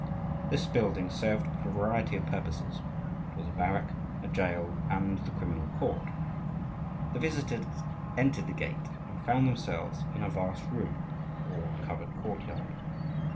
This building served for a variety of purposes; it was a barrack, a jail, and the criminal court. The visitors entered the gate and found themselves in a vast room, or covered courtyard.